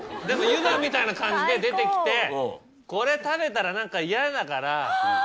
でも湯葉みたいな感じで出てきてこれ食べたら何か嫌だから。